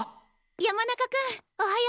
山中君おはよう！